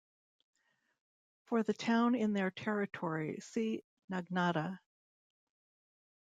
For the town in their territory see Nagnata.